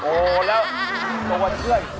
โอ้เหอะตัวช่วย